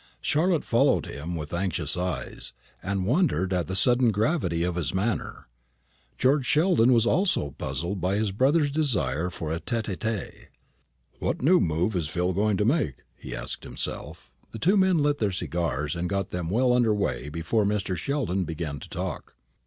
Charlotte followed him with anxious eyes, and wondered at the sudden gravity of his manner. George Sheldon also was puzzled by his brother's desire for a tête à tête. "What new move is Phil going to make?" he asked himself. The two men lit their cigars, and got them well under weigh before Mr. Sheldon began to talk.